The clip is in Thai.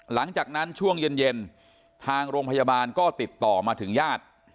หลังจากนั้นช่วงเย็นทางโรงพยาบาลก็ติดต่อมาถึงญาติ